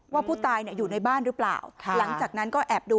ว่าผู้ตายอยู่ในบ้านหรือเปล่าหลังจากนั้นก็แอบดู